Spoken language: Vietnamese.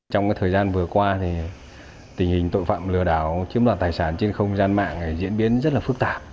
trong thời gian vừa qua tình hình tội phạm lừa đảo chiếm đoạt tài sản trên không gian mạng diễn biến rất là phức tạp